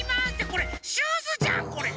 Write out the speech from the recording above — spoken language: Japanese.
これシューズじゃんこれ！